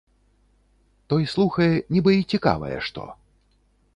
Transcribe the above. Той слухае, нібы й цікавае што.